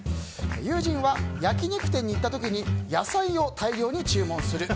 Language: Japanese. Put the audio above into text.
友人は焼き肉店に行った時に野菜を大量に注文する。